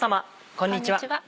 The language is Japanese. こんにちは。